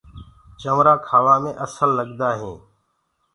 چونٚرآ کآوآ مي سوآ لگدآ هينٚ۔